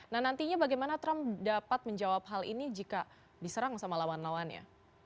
nah nantinya bagaimana trump dapat menjawab hal ini jika diserang sama lawan lawannya